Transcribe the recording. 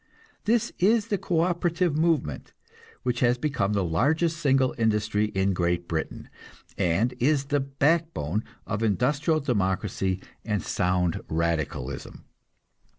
This is the co operative movement, which has become the largest single industry in Great Britain, and is the backbone of industrial democracy and sound radicalism.